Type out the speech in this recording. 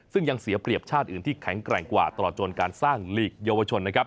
ซึ่งยังเสียเปรียบชาติอื่นที่แข็งแกร่งกว่าตลอดจนการสร้างหลีกเยาวชนนะครับ